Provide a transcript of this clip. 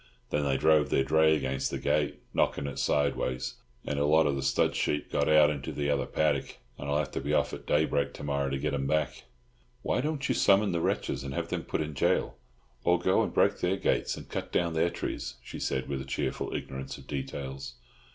Then they drove their dray against the gate, knocking it sideways, and a lot of the stud sheep got out into the other paddock, and I'll have to be off at day break to morrow to get 'em back." "Why don't you summon the wretches, and have them put in gaol, or go and break their gates, and cut down their trees?" she said, with a cheerful ignorance of details.